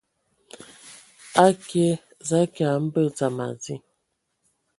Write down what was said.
Akie za kia mbə dzam adi.